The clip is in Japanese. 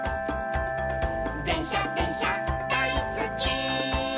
「でんしゃでんしゃだいすっき」